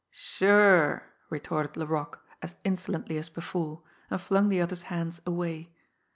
"Sure!" retorted Laroque, as insolently as before and flung the other's hands away.